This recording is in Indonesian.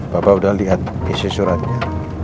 bapak udah lihat isi suratnya